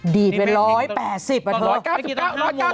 ดีดไป๑๘๐กว่าเท่าไหร่เท่าไหร่เมื่อกี้ตั้ง๕โมง